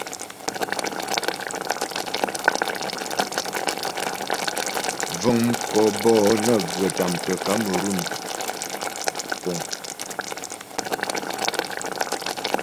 Vəŋ mkɔ bɔ'ɔ nə́ghə tâmtə Kamerun puŋ.